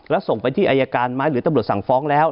แล้วส่งไปที่อายการไหมหรือตำรวจสั่งฟ้องแล้ว